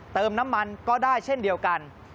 เติมน้ำมันก็ได้เช่นเดียวกัน